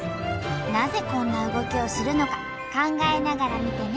なぜこんな動きをするのか考えながら見てね。